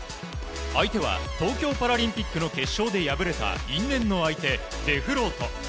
相手は東京パラリンピックの決勝で敗れた因縁の相手、デフロート。